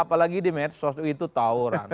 apalagi di medsos itu tawuran